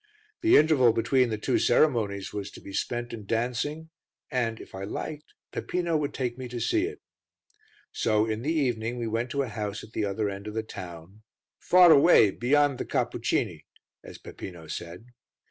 The interval between the two ceremonies was to be spent in dancing and, if I liked, Peppino would take me to see it. So in the evening we went to a house at the other end of the town, "far away beyond the Cappucini," as Peppino said.